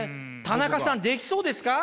田中さんできそうですか？